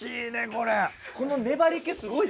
この粘り気すごいですね。